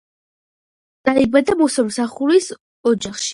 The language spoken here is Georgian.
დაიბადა მოსამსახურის ოჯახში.